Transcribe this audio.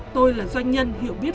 tôi là doanh nhân